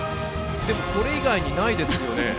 でも、これ以外にないですよね。